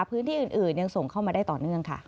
พื้นที่อื่นยังส่งเข้ามาได้ต่อเนื่องค่ะ